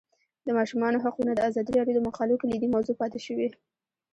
د ماشومانو حقونه د ازادي راډیو د مقالو کلیدي موضوع پاتې شوی.